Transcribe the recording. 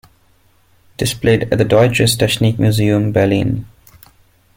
Displayed at the Deutsches Technikmuseum Berlin.